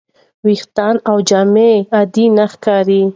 ویښتان او جامې عادي نه ښکاري.